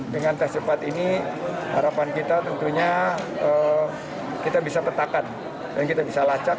dengan tes cepat ini harapan kita tentunya kita bisa petakan dan kita bisa lacak